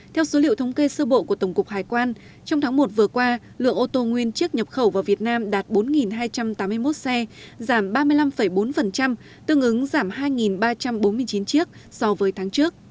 theo số liệu thống kê sơ bộ của tổng cục hải quan trong tháng một vừa qua lượng ô tô nguyên chiếc nhập khẩu vào việt nam đạt bốn hai trăm tám mươi một xe giảm ba mươi năm bốn tương ứng giảm hai ba trăm bốn mươi chín chiếc so với tháng trước